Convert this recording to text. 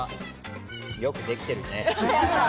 よくできているね。